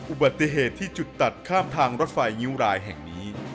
อุบัติเหตุที่จุดตัดข้ามทางรถไฟงิ้วรายแห่งนี้